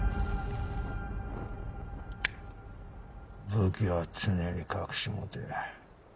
武器は常に隠し持て。